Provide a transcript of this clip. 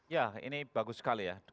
ya ini bagus sekali ya